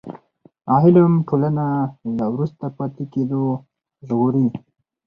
علم ټولنه له وروسته پاتې کېدو ژغوري.